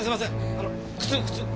あの靴靴。